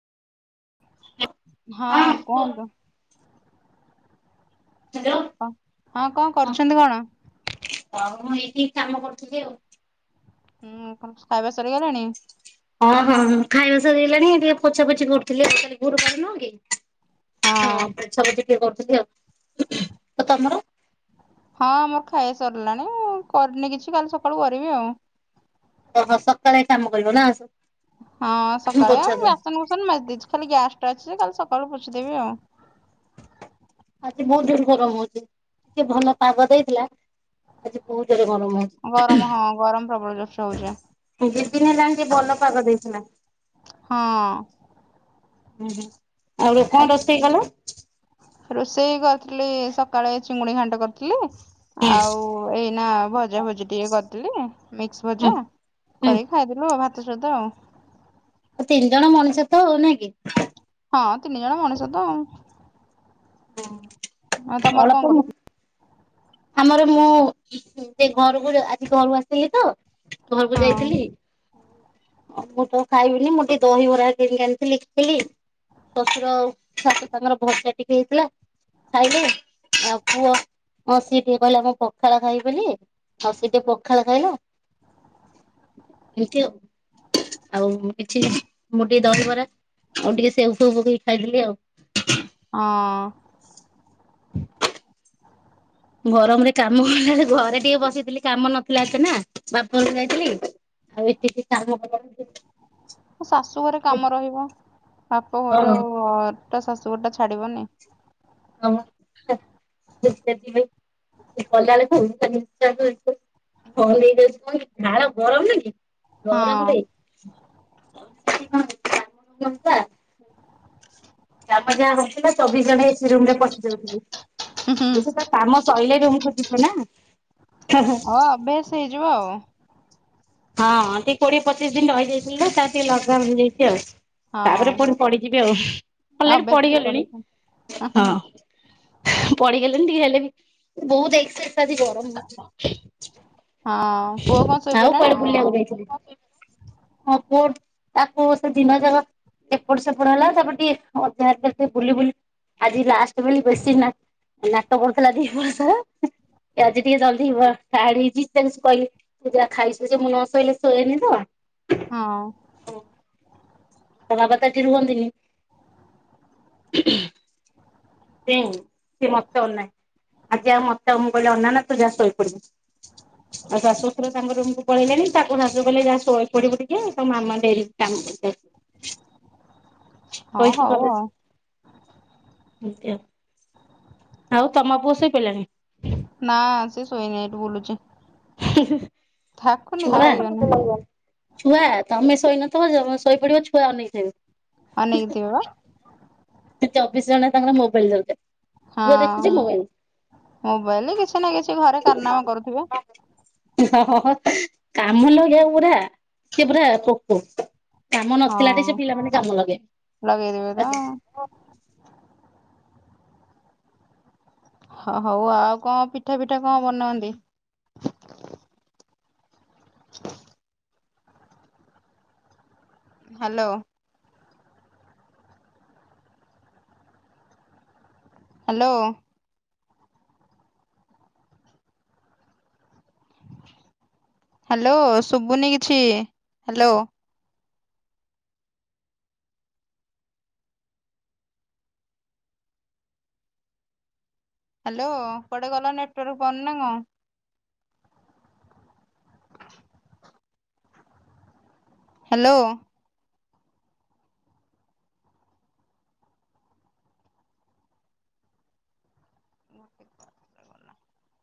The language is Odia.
ହଁ କୁହନ୍ତୁ? ହ୍ୟାଲୋ ହଁ କଣ କରୁଛନ୍ତି କଣ? ହଁ ମୁଁ ଏଇଠି କାମ କରୁଥିଲି ଆଉ ହୁଁ କଣ ଖାଇବା ସରିଗଲାଣି। ହଁ ହଁ ହଁ ଖାଇବା ସରିଗଲାଣି ଏ ଟିକେ ପୋଛା ପୋଛି କରୁଥିଲି ଆଉ କାଲି ଗୁରୁବାର ନୁହଁକି। ହଁ ପୋଛାପୋଛି ଟିକେ କରୁଥିଲି ଆଉ ଆଉ ତମର ହଁ ମୋର ଖାଇବା ସରିଲାଣି କରିନି କିଛି କାଲି ସକାଳୁ କରିବି ଆଉ ଓହୋ ସକାଳେ କାମ କରିବ ନା ଆସୁ ହଁ ସକାଳେ ବାସନ କୁସନ ମାରିଦେଇଛି ଖାଲି ଗ୍ୟାସ୍ ଟା ଅଛି ଯେ କାଲି ସକାଳୁ ପୋଛିଦେବି ଆଉ ଆଜି ବହୁତ ଜୋରରେ ଗରମ ହଉଛି ଟିକେ ଭଲ ପାଗ ଦେଇଥିଲା। ଆଜି ବହୁତ୍ ଜୋରରେ ଗରମ ହଉଛି। ଗରମ ହଁ ଗରମ ପ୍ରବଳ ଜୋରସେ ହଉଛି ଏ ଦି ଦିନ ହେଲାଣି ଟିକେ ଭଲ ପାଗ ଦେଇଥିଲା। ହଁ। ଉଁ ହୁଁ ଆଉ କଣ ଆଜି ରୋଷେଇ କଲ? ରୋଷେଇ କରିଥିଲି ସକାଳେ ଚିଙ୍ଗୁଡ଼ି ଘାଣ୍ଟ କରିଥିଲି। ହୁଁ ଆଉ ଏଇନା ଭଜା ଭଜି ଟିକେ କରିଥିଲି ମିକ୍ସ ହୁଁ ଭଜା କରିକ୍ ହୁଁ ଖାଇଦେନୁ ଆଉ ଭାତ ସହିତ ତିନି ଜଣ ମଣିଷ ତ ଆଉ ନା କି? ହଁ ତିନି ଜଣ ମଣିଷ ତ ଆଉ ହଁ। ହଁ ତମର କଣ କରୁଥିଲ। ଆମର ମୁଁ ସେ ଘରକୁ ଯା ଆଜି ଘରୁ ଆସିଥିଲି ତ ଘରକୁ ହଁ। ଯାଇଥିଲି। ଅ ମୁଁ ତ ଖାଇବିନି ମୁଁ ଟିକେ ଦହିବରା କିଣିକି ଆଣିଥିଲି ଇଟିଲି। ଶଶୁର ଶାଶୁ ତାଙ୍କର ଭର୍ତ୍ତା ଟିକେ ହେଇଥିଲା ଖାଇଲେ ଆଉ ପୁଅ ହଁ ସିଏ ଟିକେ କହିଲା ମୁଁ ପଖାଳ ଖାଇବି ବୋଲି ଆଉ ସିଏ ଟିକେ ପଖାଳ ଖାଇଲା। ଏମତି ଆଉ ଆଉ କିଛି ମୁଁ ଟିକେ ଦହିବରା ଆଉ ଟିକେ ସେଉ ଫେଉ ପକେଇ ଖାଇଦେଲି ଆଉ ହଁ। ଗରମରେ କାମ କଲା ଘରେ ଟିକେ ବସିଥିଲି କାମ ନଥିଲା ଏତେ ନା ବାପଘରକୁ ଯାଇଥିଲି। ଖାଲି ଟିକେ କାମ କଲା ବେଳକୁ ଶାଶୁ ଘରେ କାମ ରହିବ, ବାପ ଘର ହଁ। ଟା ଶାଶୁଘର ଟା ଛାଡିବନି। ହଁ କେ କେତେ ଦିନ କଲା ବେଳକୁ ପୁରା ନିଃଶ୍ୱାସ ବନ୍ଦ ହେଇଯାଇଛି କି ଝାଳ ଗରମ ନୁହେଁ କି? ହଁ ଗରମରେ [inaudible] ତାପ ଯାହା ରହୁଥିଲା ଚବିଶ ଘଣ୍ଟା ଏସି ରୁମ ରେ ପଶିଯାଉଥିଲେ ବୁଝିପାରୁଚ କାମ ସଇଲେ ରୁମକୁ ଯିବ ନା? ହଁ ଅଭ୍ୟାସ ହେଇଯିବ ଆଉ ହଁ ଟିକେ କୋଡିଏ ପଚିଶ ଦିନ ରହିବେ ଏଇଖେଣିକା ତାର ଟିକେ ଲକଡାଉନ ହେଇଯାଇଛି ଆଉ ତାପରେ ପୁଣି ପଡିଯିବି ଆଉ ଅଲରେଡି ଅଭ୍ୟାସ ରେ ପଡିଗଲିଣି ପଡିବ ହଁ। ପଡିଗଲିଣି ଟିକେ ହେଲେ ବି ବହୁତ ଏସ୍ସେସ ଆଜି ଗରମ ହଉଚି? ହଁ ପୁଅ କଣ ଶୋଇପଇଲା। କୁଆଡେ ବୁଲିବାକୁ ଯାଇଥିଲି ହଁ ପୁଅ ତାକୁ ସେ ଦିନ ଯାକ ଏପଟ ସେପଟ ହେଲା ତାପରେ ଟିକେ ଅଧିକ ବୁଲି ବୁଲି ଆଜି ଲାଷ୍ଟ ବୋଲି ବେଶି ନା ନାଟ କରୁଥିଲା ଦିହିପର ସାରା ଆଜି ଟିକେ ଜଲଦି ବ ଟାଏଡ ହେଇଛି ମୁ ତାକୁ କିଛି କହିଲି ତୁ ଯା ଖାଇ ସେ ଯୁ ମୁଁ ନ ସୋଇଲେ ଶୁଏନି ତ। ହଁ। ବାପ ତ ଏଠି ରୁହନ୍ତିନି। [unintelligible] ସେ ମତେ ଅନାଏ ଆଜି ମତେ ମୁଁ କହିଲି ଅନା ନି ତୁ ଯା ଶୋଇପଡିବୁ। ହ ଆଉ ଶାଶୁ ଶଶୁର ତାଙ୍କ ରୁମକୁୁ ପଳେଇଲେଣି ତାକୁ ଶାଶୁ କହିଲେ ଯା ଶୋଇ ପଡିବୁ ଟିକେ ତୋ ମାମା ଡେରିି କାମ ହଁ ଶୋଇଛି ହଉ କଲେଜ ଆଉ। [unintelligible] ଆଉ ତମ ପୁଅ ଶୋଇପଇଲାଣି? ନା ସେ ଶୋଇନି ଏଇଠି ବୁଲୁଛି। ଛୁଆ [unintelligible] ତାକୁ ନିଦ ଲାଗିବନି ଛୁଆ ତମେ ଶୋଇନଥିବ ଜମ ଶୋଇପଡିବ ଛୁଆ ଅନେଇକିଥିବେ। ଅନେଇକିଥିବେ ବା। ଚବିଶ ଜଣା ତାଙ୍କର ମୋବାଇଲି ଦରକାର। ହଁ ପୁଅ ଦେଖୁଛି ମୋବାଇଲ। ମୋବାଇଲ କିଛି ନା କିଛି ଘରେ କାରନାମା କରୁଥିବେ। [unintelligible] ଓ କାମ ଲଗେଇବା ପୁରା। ସିଏ ପୁରା ପୋକ କାମ ନଥିଲା ଟେ ସେ ହଁ ପିଲାମାନେ କାମ ଲଗେଇଦେବେ ତ। ଲଗେଇଵେ। ହ ହଉ ଆଉ କଣ ପିଠା ପିଠା କଣ ବନାନ୍ତି? ହ୍ୟାଲୋ। ହ୍ୟାଲୋ। ହ୍ୟାଲୋ ଶୁଭୁନି କିଛି ହ୍ୟାଲୋ। ହ୍ୟାଲୋ କୁଆଡେ ଗଲ ନେଟୱାର୍କ ପାଉନି ନା କଣ? ହ୍ୟାଲୋ।